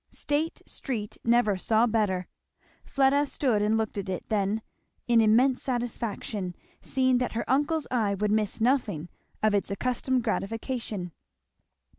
State street never saw better. Fleda stood and looked at it then, in immense satisfaction, seeing that her uncle's eye would miss nothing of its accustomed gratification.